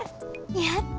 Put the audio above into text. やった！